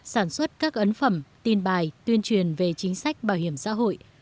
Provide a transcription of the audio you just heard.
sản xuất các ấn phẩm tin bài tuyên truyền về chính sách bảo hiểm xã hội